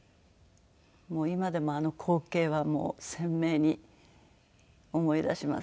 今でもあの光景はもう鮮明に思い出します。